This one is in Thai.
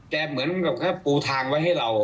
เหมือนกับเขาปูทางไว้ให้เรา